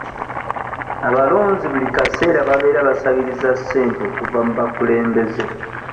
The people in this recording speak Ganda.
Abalonzi buli kaseera babeera basabiriza ssente okuva mu bakulembeze.